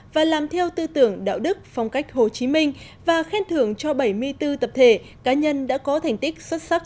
và làm theo tư tưởng đạo đức phong cách hồ chí minh và khen thưởng cho bảy mươi bốn tập thể cá nhân đã có thành tích xuất sắc